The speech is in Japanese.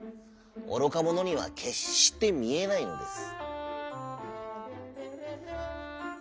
おろかものにはけっしてみえないのです」。